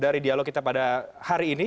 dari dialog kita pada hari ini